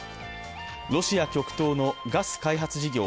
ロシア極東のガス開発事業